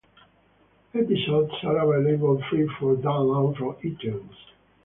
Episodes are available free for download from iTunes.